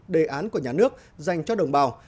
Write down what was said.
đề án của nhà nước dành cho đồng bào